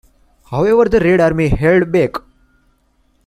However, the Red Army held back.